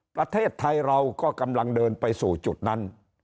ประเทศไทยเราก็กำลังเดินไปสู่จุดนั้น